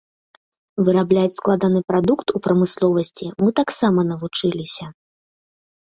Вырабляць складаны прадукт у прамысловасці мы таксама навучыліся.